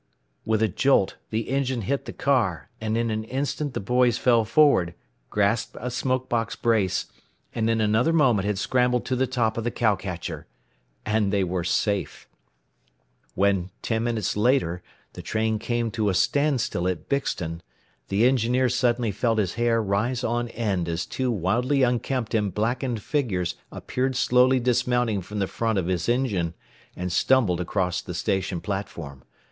_" With a jolt the engine hit the car, and in an instant the boys fell forward, grasped a smoke box brace, and in another moment had scrambled to the top of the cow catcher. And they were safe! When, ten minutes later, the train came to a standstill at Bixton, the engineer suddenly felt his hair rise on end as two wildly unkempt and blackened figures appeared slowly dismounting from the front of his engine, and stumbled across the station platform.